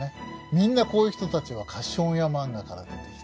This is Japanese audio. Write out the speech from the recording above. みんなこういう人たちは貸本屋マンガから出てきた。